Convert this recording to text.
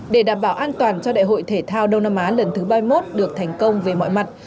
để đảm bảo an toàn cho đại hội thể thao đông nam á lần thứ ba mươi một được thành công về mọi mặt